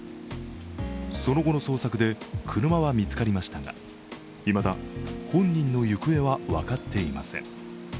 その後の捜索で、車は見つかりましたがいまだ本人の行方は分かっていません。